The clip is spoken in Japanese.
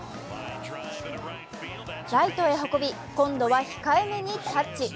ライトへ運び、今度は控えめにタッチ。